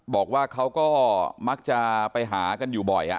บอกว่าเขาก็มักจะไปหากันอยู่บ่อย